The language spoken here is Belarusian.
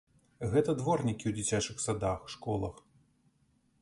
Гэта дворнікі ў дзіцячых садах, школах.